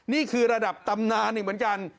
นี่คือระดับตำนานอีกเหมือนกัน